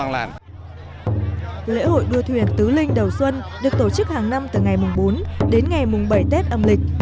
lễ hội đua thuyền tứ linh đầu xuân được tổ chức hàng năm từ ngày mùng bốn đến ngày mùng bảy tết âm lịch